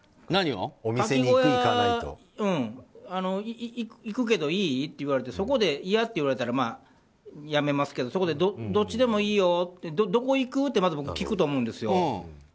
かき小屋に行くけどいい？って言われてそこで、嫌と言われたらやめますけどそこでどっちでもいいよどこ行く？ってまず聞くと思うんですよ。